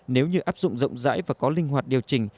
nếu như áp dụng rộng rãi và có linh hoạt điều chỉnh